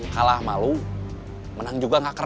kalah malu menang juga gak keren